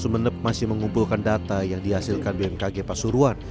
sumeneb masih mengumpulkan data yang dihasilkan bmkg pasuruan